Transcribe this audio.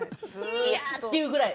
いやー！っていうぐらい。